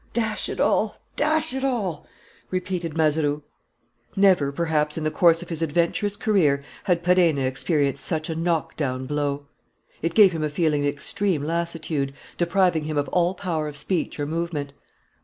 "Dash it all! Dash it all!" repeated Mazeroux. Never, perhaps, in the course of his adventurous career, had Perenna experienced such a knockdown blow. It gave him a feeling of extreme lassitude, depriving him of all power of speech or movement.